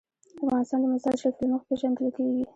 افغانستان د مزارشریف له مخې پېژندل کېږي.